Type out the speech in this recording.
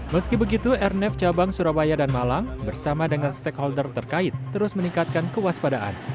meski begitu airnaf cabang surabaya dan malang bersama dengan stakeholder terkait terus meningkatkan kewaspadaan